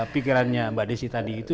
pikirannya mbak desi tadi itu